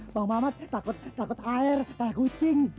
bang mamat takut takut air kayak kucing